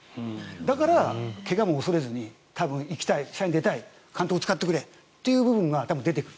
だから、怪我も恐れずに多分、行きたい、試合に出たい監督、使ってくれという部分が出てくる。